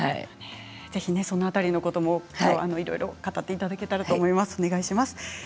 その辺りのこともきょうはいろいろ語っていただければと思います。